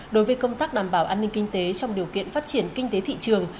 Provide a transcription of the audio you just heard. đối với công tác đảm bảo an ninh kinh tế trong điều kiện phát triển kinh tế thị trường